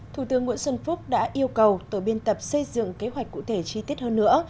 thủ tướng nguyễn xuân phúc đã yêu cầu tổ biên tập xây dựng kế hoạch cụ thể chi tiết hơn nữa